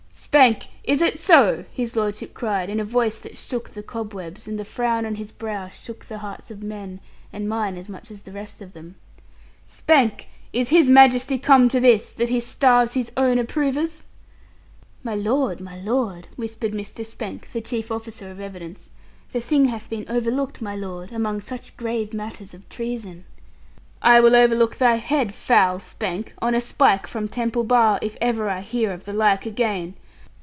'Spank, is it so?' his lordship cried, in a voice that shook the cobwebs, and the frown on his brow shook the hearts of men, and mine as much as the rest of them, 'Spank, is His Majesty come to this, that he starves his own approvers?' 'My lord, my lord,' whispered Mr. Spank, the chief officer of evidence, 'the thing hath been overlooked, my lord, among such grave matters of treason.' 'I will overlook thy head, foul Spank, on a spike from Temple Bar, if ever I hear of the like again.